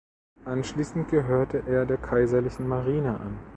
Anschließend gehörte er der Kaiserlichen Marine an.